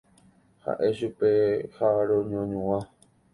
Ha'e chupe ha roñoañua.